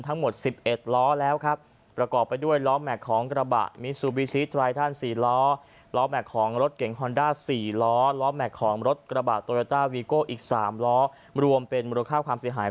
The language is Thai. ผมจะขอแจ้งความให้ด้วย